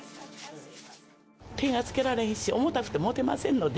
手が付けられんし、重たくて持てませんので。